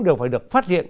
đều phải được phát hiện